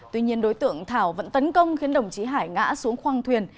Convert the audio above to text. tuy nhiên đối tượng thảo vẫn tấn công khiến đồng chí hải ngã xuống khoang thuyền